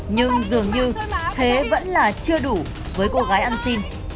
nhưng dường như thế vẫn là chưa đủ với cô gái ăn xin